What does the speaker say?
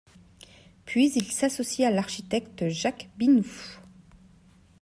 Puis il s'associe à l'architecte Jacques Binoux.